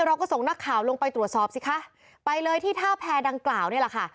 เราก็ส่งนักข่าวลงไปตรวจสอบสิคะไปเลยที่ท่าแพรดังกล่าวนี่แหละค่ะ